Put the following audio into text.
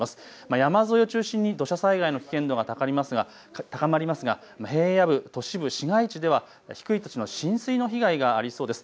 山沿いを中心に土砂災害の危険度が高まりますが平野部、都市部、市街地では低い土地の浸水の被害がありそうです。